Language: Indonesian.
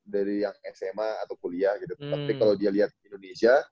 dari yang sma atau kuliah gitu tapi kalau dia lihat indonesia